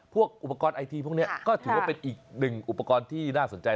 พวกอุปกรณ์ไอทีพวกนี้ก็ถือว่าเป็นอีกหนึ่งอุปกรณ์ที่น่าสนใจ